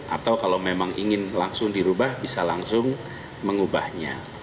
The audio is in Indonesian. atau kalau memang ingin langsung dirubah bisa langsung mengubahnya